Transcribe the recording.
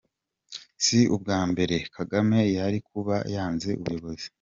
Si ubwa mbere Kagame yari kuba yanze ubuyobozi.